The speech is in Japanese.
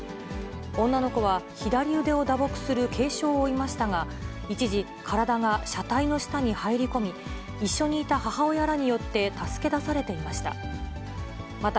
女の子は左腕を打撲する軽傷を負いましたが、一時、体が車体の下に入り込み、一緒にいた母親らによって助け出されていました。